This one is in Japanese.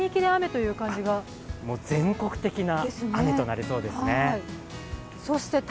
全国的な雨となりそうですね。